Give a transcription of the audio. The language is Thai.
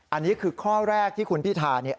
อันนี้คือข้อแรกที่คุณพิธาเนี่ย